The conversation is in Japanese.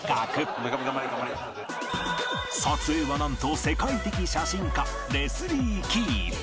撮影はなんと世界的写真家レスリー・キー